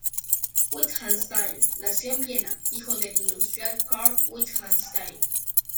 Wittgenstein nació en Viena, hijo del industrial Karl Wittgenstein.